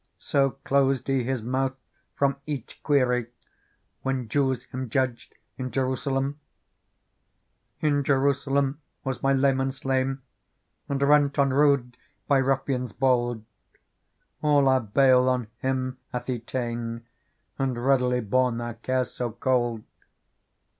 So closed He His mouth from each query. When Jews Him judged in Jerusalem. Digitized by Google PEARL 35 "In Jerusalem was my leman slain^ And rent on rood by ruffians bold ; All our bale on Him hath He ta'en. And readily borne our cares so cold.